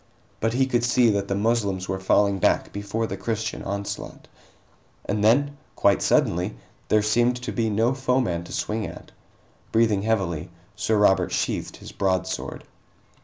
But he could see that the Moslems were falling back before the Christian onslaught. And then, quite suddenly, there seemed to be no foeman to swing at. Breathing heavily, Sir Robert sheathed his broadsword.